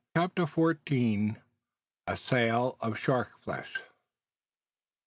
CHAPTER FOURTEEN. A SAIL OF SHARK FLESH.